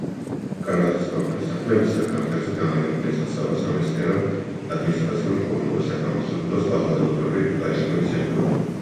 გარდა საცხოვრებელი სახლებისა, გამზირზე განლაგებულია სასწავლო, სამეცნიერო, ადმინისტრაციული, კულტურულ-საგანმანათლებლო და სხვა საზოგადოებრივი დანიშნულების შენობები.